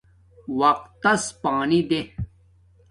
وقت تس پانی دے